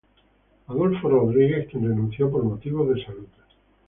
Adolfo Rodríguez, quien renunció por motivos de salud.